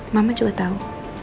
mama juga tau